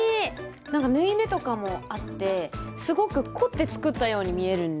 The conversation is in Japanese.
なんか縫い目とかもあってすごく凝って作ったように見えるんですよ。